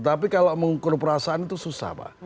tapi menurut perasaan itu susah pak